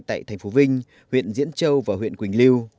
tại thành phố vinh huyện diễn châu và huyện quỳnh lưu